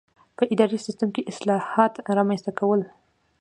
په اداري سیسټم کې اصلاحات رامنځته کول.